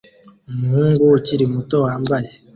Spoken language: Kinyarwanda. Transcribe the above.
Umuhungu ukiri muto wambaye